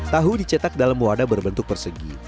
tahu dicetak dalam wadah berbentuk persegi